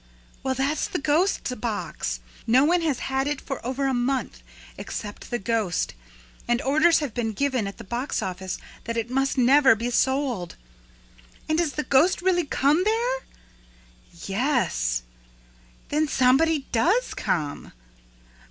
"Well, that's the ghost's box. No one has had it for over a month, except the ghost, and orders have been given at the box office that it must never be sold." "And does the ghost really come there?" "Yes." "Then somebody does come?"